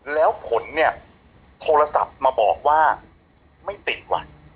แล้วผลเนี่ยโทรศัพท์มาบอกว่าไม่ติดว่ะ